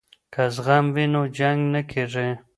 که زغم وي نو جنګ نه کیږي.